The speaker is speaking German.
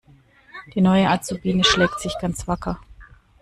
Die neue Azubine schlägt sich ganz wacker.